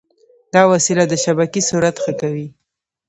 دا وسیله د شبکې سرعت ښه کوي.